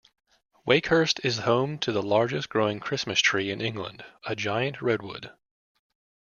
Wakehurst is home to the largest growing Christmas tree in England, a giant redwood.